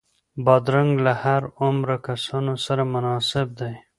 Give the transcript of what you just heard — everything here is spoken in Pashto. بادرنګ له هر عمره کسانو سره مناسب دی.